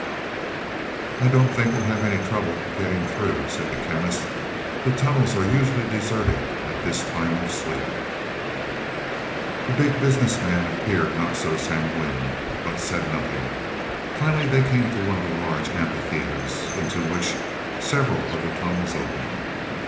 "I don't think we'll have any trouble getting through," said the Chemist. "The tunnels are usually deserted at the time of sleep." The Big Business Man appeared not so sanguine, but said nothing. Finally they came to one of the large amphitheaters into which several of the tunnels opened.